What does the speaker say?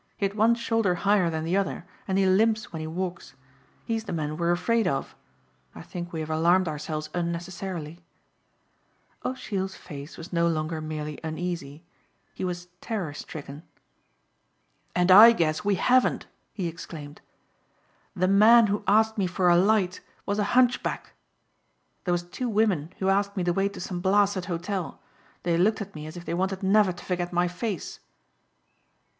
He had one shoulder higher than the other and he limps when he walks. He's the man we're afraid of. I think we have alarmed ourselves unnecessarily." O'Sheill's face was no longer merely uneasy. He was terror stricken. "And I guess we haven't," he exclaimed. "The man who asked me for a light was a hunchback. There was two women who asked me the way to some blasted hotel. They looked at me as if they wanted never to forget my face."